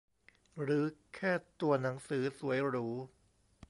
หรือแค่ตัวหนังสือสวยหรู